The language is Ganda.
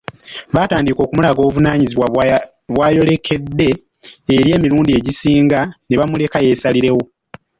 Batandika okumulaga obuvunaanyizibwa bwayolekede era emirundi egisinga ne bamuleka yeesalirewo.